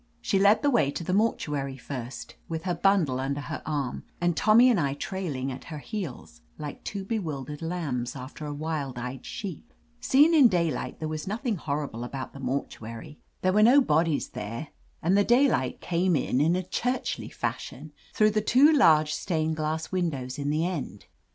She led the way to the mortuary first, with her bundle under her arm, and Tommy and I trailing at her heels, like two bewildered lambs after a wild eyed sheep. Seen in day light, there was nothing horrible about the 176 LETITIA CARBERRY mortuary. There were no bodies there, and the daylight came in in churchly fashion through the two large stained glass windows in the end.